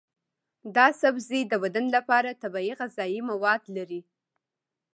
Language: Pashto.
دا سبزی د بدن لپاره طبیعي غذایي مواد لري.